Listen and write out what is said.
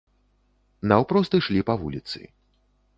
Наўпрост ішлі па вуліцы.